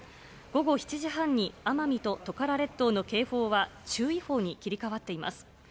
午後７時半に奄美とトカラ列島の警報は注意報に切り替わっています。